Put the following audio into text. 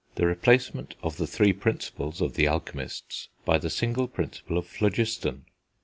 THE REPLACEMENT OF THE THREE PRINCIPLES OF THE ALCHEMISTS BY THE SINGLE PRINCIPLE OF PHLOGISTON.